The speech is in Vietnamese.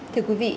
thưa quý vị